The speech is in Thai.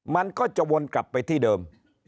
มันก็จะวนกลับไปที่เดิม